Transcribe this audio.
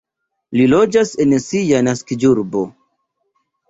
Li loĝas en sia naskiĝurbo.